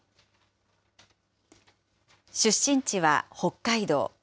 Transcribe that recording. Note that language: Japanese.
出身地は北海道。